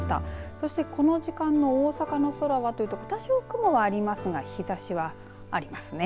そしてこの時間の大阪の空はというと多少雲はありますが日ざしはありますね。